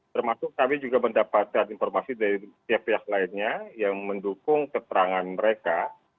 termasuk kami juga mendapatkan informasi dari pihak pihak lainnya yang mendukung keterangan mereka